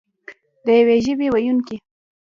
د یوې ژبې ویونکي.